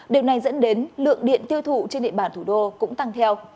điều này dẫn đến lượng điện tiêu thụ trên địa bàn thủ đô cũng tăng theo